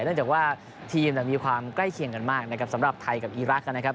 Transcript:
เนื่องจากว่าทีมมีความใกล้เคียงกันมากนะครับสำหรับไทยกับอีรักษ์นะครับ